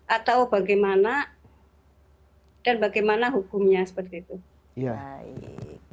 atau bagaimana dan bagaimana hukumnya seperti itu